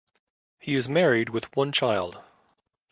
He is married with one child.